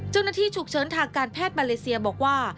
เจ้าหน้าที่ฉุกเชิญทางการแพทย์มาเลเซียบอกว่า